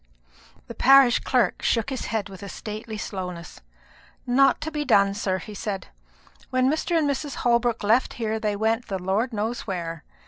The parish clerk shook his head with a stately slowness. "Not to be done, sir," he said: "when Mr. and Mrs. Holbrook left here they went the Lord knows where.